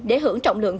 để hưởng trọng lượng